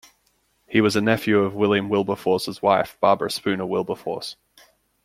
He was a nephew of William Wilberforce's wife, Barbara Spooner Wilberforce.